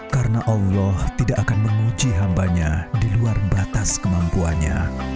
karena allah tidak akan menguji hambanya di luar batas kemampuannya